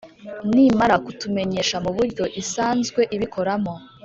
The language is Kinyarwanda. nimara kutumenyesha mu buryo isanzwe ibikoramo